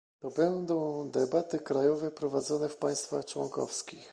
To będą debaty krajowe, prowadzone w państwach członkowskich